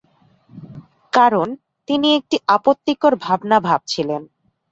কারণ, তিনি একটি আপত্তিকর ভাবনা ভাবছিলেন।